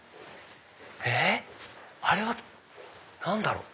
えっ？あれは何だろう？